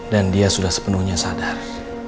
dan dia sudah sepenuhnya sadar